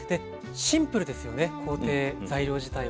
シンプルですよね工程材料自体は。